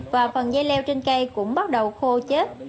và phần dây leo trên cây cũng bắt đầu khô chết